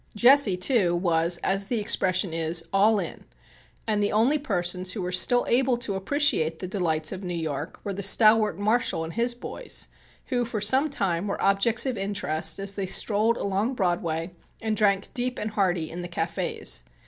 Jesse, too, was, as the expression is, "all in," and the only persons who were still able to appreciate the delights of New York were the stalwart Marshal and his boys, who for some time were objects of interest as they strolled along Broadway and drank "deep and hearty" in the cafés.